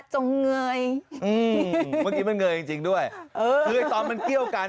งเงยอืมเมื่อกี้มันเงยจริงจริงด้วยเออคือไอ้ตอนมันเกี้ยวกัน